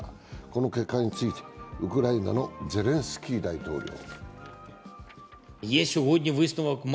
この結果についてウクライナのゼレンスキー大統領。